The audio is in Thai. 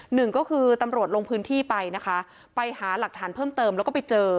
หนึ่งก็คือตำรวจลงพื้นที่ไปนะคะไปหาหลักฐานเพิ่มเติมแล้วก็ไปเจอ